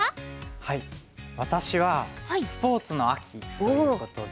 はい私はスポーツの秋ということで。